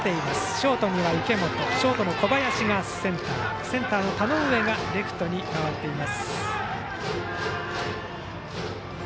ショートには池本ショートの小林がセンターセンターの田上がレフトに回っています。